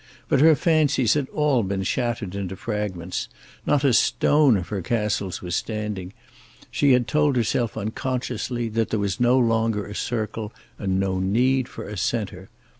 But her fancies had been all shattered into fragments; not a stone of her castles was standing; she had told herself unconsciously that there was no longer a circle and no need for a centre.